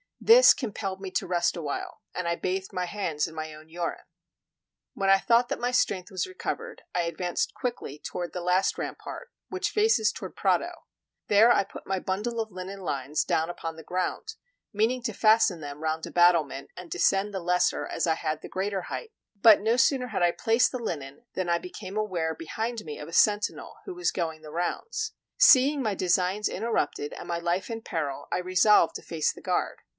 This compelled me to rest awhile, and I bathed my hands in my own urine. When I thought that my strength was recovered, I advanced quickly toward the last rampart, which faces toward Prato. There I put my bundle of linen lines down upon the ground, meaning to fasten them round a battlement, and descend the lesser as I had the greater height. But no sooner had I placed the linen than I became aware behind me of a sentinel, who was going the rounds. Seeing my designs interrupted and my life in peril, I resolved to face the guard.